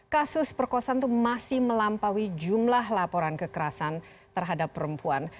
kasus perkosaan itu masih melampaui jumlah laporan kekerasan terhadap perempuan